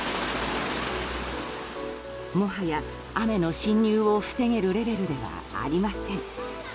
もはや雨の侵入を防げるレベルではありません。